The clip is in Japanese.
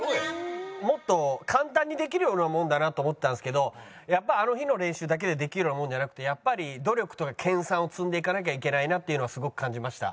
もっと簡単にできるようなものだなと思ってたんですけどやっぱあの日の練習だけでできるようなものじゃなくてやっぱり努力とか研鑽を積んでいかなきゃいけないなっていうのはすごく感じました。